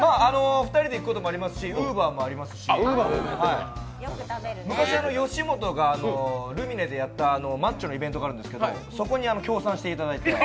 ２人で行くこともありますしＵｂｅｒもあるし昔、吉本がルミネでやったマッチョのイベントがあるんですけどそこに協賛していただいて。